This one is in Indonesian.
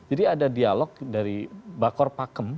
jadi ada dialog dari bakor pakem